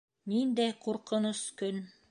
Ниндәй ҡурҡыныс көн!